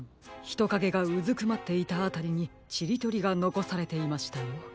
ひとかげがうずくまっていたあたりにちりとりがのこされていましたよ。